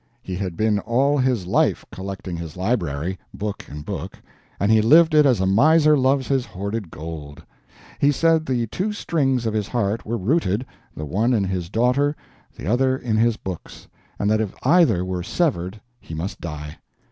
He had been all his life collecting his library, book and book, and he lived it as a miser loves his hoarded gold. He said the two strings of his heart were rooted, the one in his daughter, the other in his books; and that if either were severed he must die.